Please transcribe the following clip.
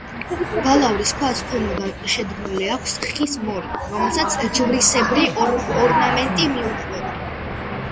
ბალავრის ქვას ქვემოდან შედგმული აქვს ხის მორი, რომელსაც ჯვრისებრი ორნამენტი მიუყვება.